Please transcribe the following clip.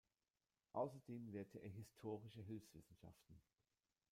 Außerdem lehrte er Historische Hilfswissenschaften.